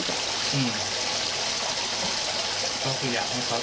ก็คืออยากให้เขา